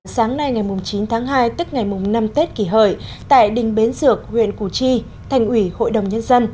sáng nay ngày chín tháng hai tức ngày năm tết kỳ hời tại đình bến dược huyện củ chi thành ủy hội đồng nhân dân